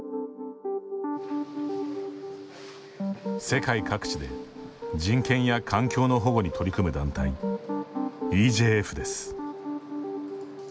世界各地で人権や環境の保護に取り組む団体、ＥＪＦです。